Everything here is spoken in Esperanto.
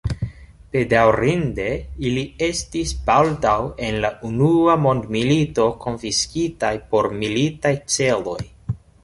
Bedaŭrinde ili estis baldaŭ en la unua mondmilito konfiskitaj por militaj celoj.